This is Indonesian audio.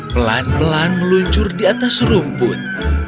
pelan pelan meluncur di atas rumput